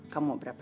kamu mau berapa